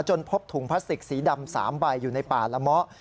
พบถุงพลาสติกสีดำ๓ใบอยู่ในป่าละเมาะ